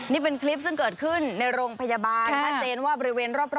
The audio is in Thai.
นี่เป็นคลิปซึ่งเกิดขึ้นในโรงพยาบาลชัดเจนว่าบริเวณรอบ